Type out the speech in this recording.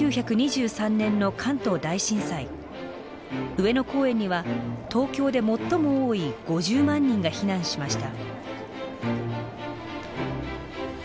上野公園には東京で最も多い５０万人が避難しました。